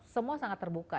semua sangat terbuka